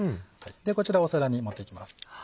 ではこちら皿に盛っていきます。